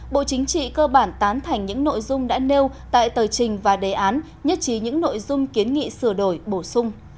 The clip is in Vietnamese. bộ chính trị cơ bản tán thành những nội dung đã nêu tại tờ trình và đề án nhất trí những nội dung kiến nghị sửa đổi bổ sung